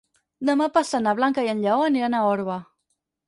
Demà passat na Blanca i en Lleó aniran a Orba.